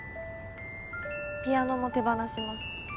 ピアノも手放します。